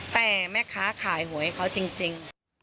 แต่แม่ค้าขายหวยเขาจริง